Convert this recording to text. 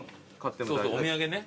お土産ね。